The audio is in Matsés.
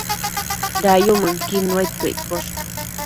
Dayumënquid nuaidquio iccosh